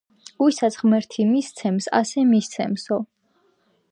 ვისაც ღმერთი მისცემს, ასე მისცემსო.